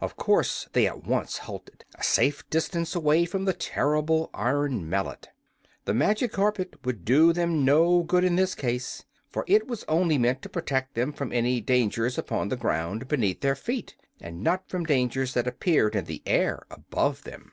Of course they at once halted, a safe distance away from the terrible iron mallet. The magic carpet would do them no good in this case, for it was only meant to protect them from any dangers upon the ground beneath their feet, and not from dangers that appeared in the air above them.